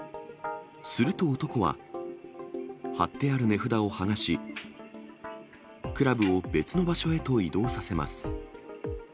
すると男は、貼ってある値札を剥がし、クラブを別の場所へと移動させます。